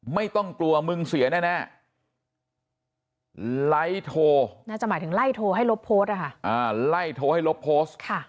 ไม่ต้องกลัวมึงเสียแน่ไล่โทรไล่โทรให้ลบโพสต์